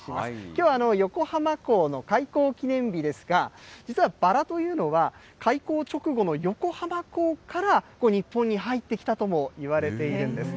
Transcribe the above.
きょうは横浜港の開港記念日ですが、実は、バラというのは開港直後の横浜港から、ここ、日本に入ってきたともいわれているんです。